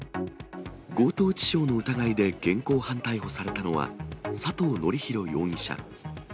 強盗致傷の疑いで現行犯逮捕されたのは、佐藤紀裕容疑者。